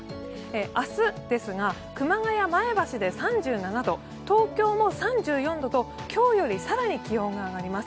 明日ですが熊谷、前橋で３７度東京も３４度と今日より更に気温が上がります。